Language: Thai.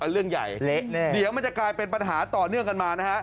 เรื่องใหญ่เละแน่เดี๋ยวมันจะกลายเป็นปัญหาต่อเนื่องกันมานะฮะ